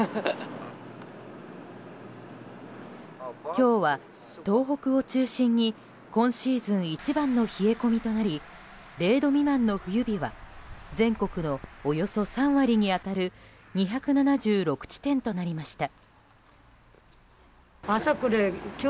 今日は東北を中心に今シーズン一番の冷え込みとなり０度未満の冬日は全国のおよそ３割に当たる２７６地点となりました。